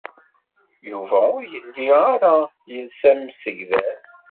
Yuba ur yelli ara yelsa amsegdal.